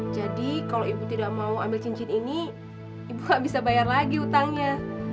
jadi kalau ibu tidak mau ambil cincin ini ibu nggak bisa bayar lagi hutangnya